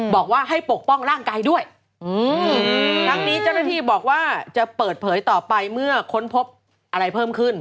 บอกว่าให้ปกป้องร่างกายด้วยทั้งนี้เจ้าหน้าที่บอกว่าจะเปิดเผยต่อไปเมื่อค้นพบอะไรเพิ่มขึ้น